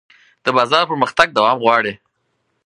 د بازار پرمختګ دوام غواړي.